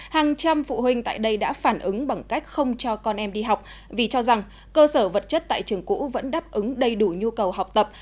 hàng trăm phụ huynh tại đây đã phản ứng bằng cách không cho con em đi học vì cho rằng cơ sở vật chất tại trường cũ vẫn đáp ứng đầy đủ nhu cầu học tập